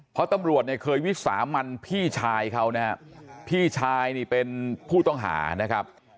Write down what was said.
เพราะตำรวจเนี่ยเคยวิสามันพี่ชายเขานะฮะพี่ชายนี่เป็นผู้ต้องหานะครับ